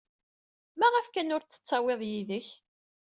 Maɣef kan ur t-tettawyeḍ yid-k?